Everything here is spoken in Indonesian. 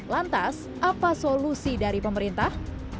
lantas apa solusi dari pemerintah